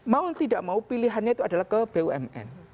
mau tidak mau pilihannya itu adalah ke bumn